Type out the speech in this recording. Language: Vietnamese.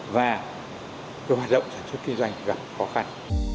và cơ hoạt động sản xuất kinh doanh gặp khó khăn